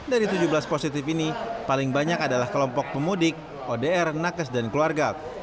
dari tujuh belas positif ini paling banyak adalah kelompok pemudik odr nakes dan keluarga